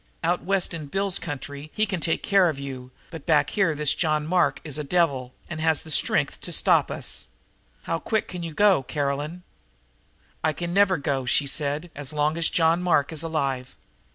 Out West in Bill's country he can take care of you, but back here this John Mark is a devil and has the strength to stop us. How quick can you go, Caroline?" "I can never go," she said, "as long as John Mark is alive."